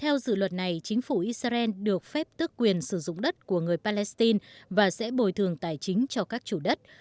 theo dự luật này chính phủ israel được phép tức quyền sử dụng đất của người palestine và sẽ bồi thường tài chính cho các chủ đất